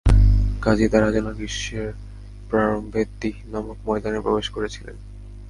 কাজেই তারা যেন গ্রীষ্মের প্রারম্ভে তীহ নামক ময়দানে প্রবেশ করেছিলেন।